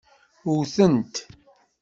Wten-t.